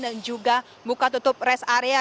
dan juga buka tutup rest area